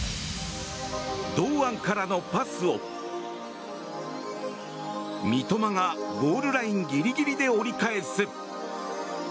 堂安からのパスを三笘がゴールラインギリギリで折り返す。